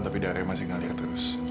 tapi darahnya masih ngalir terus